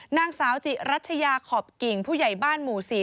นางสาวจิรัชยาขอบกิ่งผู้ใหญ่บ้านหมู่๔